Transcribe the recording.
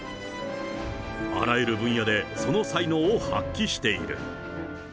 あらゆる分野でその才能を発揮している。